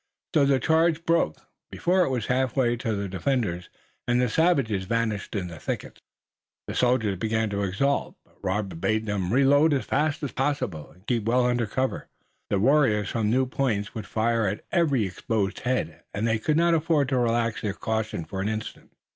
So the charge broke, before it was half way to the defenders, and the savages vanished in the thickets. The soldiers began to exult, but Robert bade them reload as fast as possible, and keep well under cover. The warriors from new points would fire at every exposed head, and they could not afford to relax their caution for an instant.